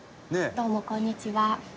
どうもこんにちは。